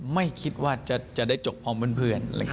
ไม่คิดว่าจะได้จบพร้อมเพื่อน